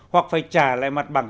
hoặc phải trả lại mặt bằng